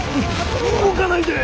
動かないで！